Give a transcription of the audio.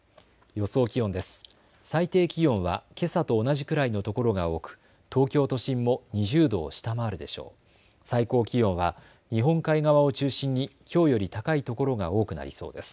予想気温です。